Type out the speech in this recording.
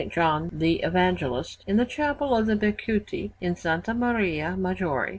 John the Evangelist in the Chapel of the Beccuti, in S. Maria Maggiore.